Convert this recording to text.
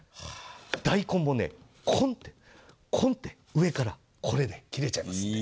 大根もコンッて、コンッて上からこれで切れちゃいます。